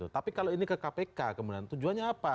tapi kalau ini ke kpk kemudian tujuannya apa